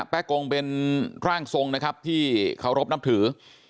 แป๊กงเป็นร่างทรงที่เคารพนับถือ